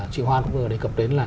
chị hoan vừa đề cập đến là